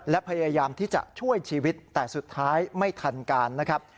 และพยายามที่จะช่วยชีวิตแต่สุดท้ายไม่ทันการนะครับ